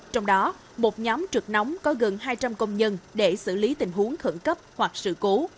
trong đó một nhóm trực nóng có gần hai trăm linh công nhân để xử lý tình huống khẩn cấp hoặc sự cố